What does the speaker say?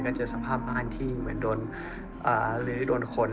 เจอสภาพบ้านที่เหมือนโดนหรือโดนคน